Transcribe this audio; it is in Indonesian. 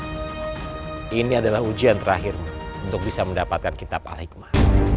ini adalah ujian terakhir untuk bisa mendapatkan kitab al hikmah